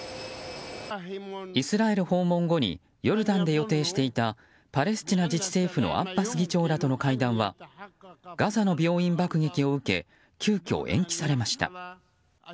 イスラエル訪問後にヨルダンで予定していたパレスチナ自治政府のアッバス議長との会談はガザの病院爆撃を受け急きょ延期されました。